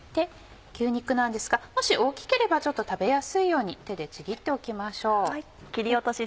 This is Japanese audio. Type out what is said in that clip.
牛肉なんですがもし大きければちょっと食べやすいように手でちぎっておきましょう。